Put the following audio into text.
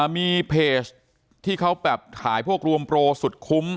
มีเพจที่เขาแบบถ่ายพวกรวมโปรสุดคุ้ม